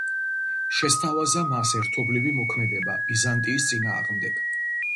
შესთავაზა მას ერთობლივი მოქმედება ბიზანტიის წინააღმდეგ.